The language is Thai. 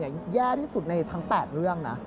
แย่ที่สุดในทั้ง๘เรื่องนะ